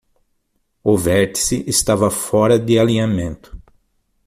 O vértice estava fora de alinhamento.